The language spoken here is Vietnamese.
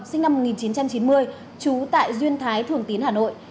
sinh năm một nghìn chín trăm chín mươi trú tại duyên thái thường tín hà nội